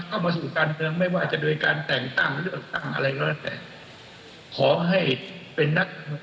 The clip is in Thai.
เป็นนักการเมืองจะคิดรันได้เมื่อนักการเมืองนั้น